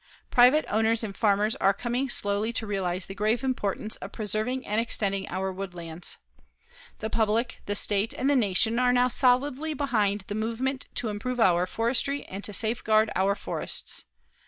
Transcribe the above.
Private owners and farmers are coming slowly to realize the grave importance of preserving and extending our woodlands. The public, the State and the Nation are now solidly behind the movement to improve our forestry and to safe guard our forests.